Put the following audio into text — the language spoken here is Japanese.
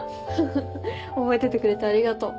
覚えててくれてありがとう。